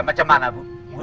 macam mana bu